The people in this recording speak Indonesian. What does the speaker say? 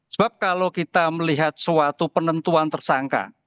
sebab kalau kita melihat suatu penentuan tersangka